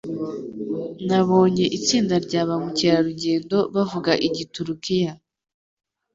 Nabonye itsinda rya ba mukerarugendo bavuga Igiturukiya.